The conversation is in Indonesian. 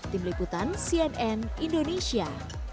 tim lekutan cnn indonesia